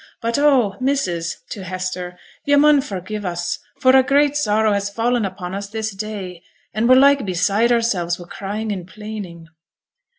But oh! missus (to Hester), yo' mun forgive us, for a great sorrow has fallen upon us this day, an' we're like beside ourselves wi' crying an' plaining.'